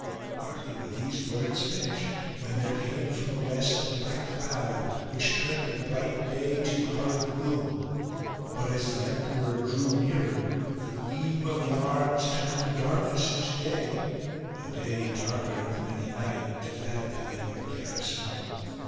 Hardly were these words finished when there came from the west a black cloud, which turned the bright day to horrid gloom. But as the emperor drew nearer the gleam B*C. 145 K THE IRON TERROR of the arms turned the darkness into day, a day darker than any night to that beleaguered garrison.